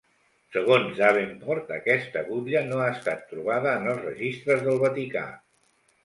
Segons Davenport, aquesta butlla no ha estat trobada en els registres del Vaticà.